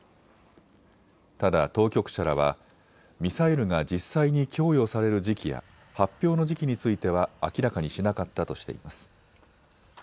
ただ当局者らはミサイルが実際に供与される時期や発表の時期については明らかにしなかったとしています。